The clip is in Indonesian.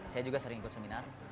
saya juga sering ikut seminar